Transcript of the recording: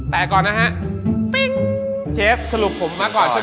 แต่ก่อนนะฮะเชฟสมุขผมมากกว่าใช่ไหม